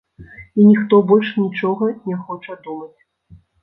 І ніхто больш нічога не хоча думаць.